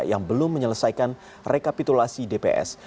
yang belum menyelesaikan rekapitulasi dps